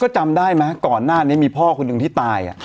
จำได้ไหมก่อนหน้านี้มีพ่อคนหนึ่งที่ตาย